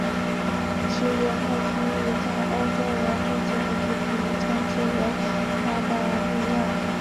其游牧区域在欧洲人绘制的地图里称之为鞑靼利亚。